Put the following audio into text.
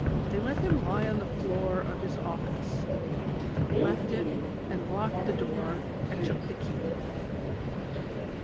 They let him lie on the floor of his office, left it and locked the door and took the key.